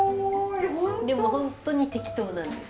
でも本当に適当なんです。